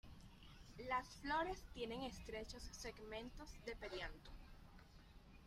Las flores tienen estrechos segmentos de perianto.